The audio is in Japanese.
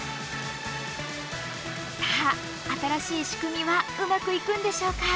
さあ新しい仕組みはうまくいくんでしょうか？